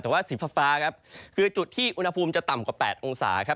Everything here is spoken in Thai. แต่ว่าสีฟ้าครับคือจุดที่อุณหภูมิจะต่ำกว่า๘องศาครับ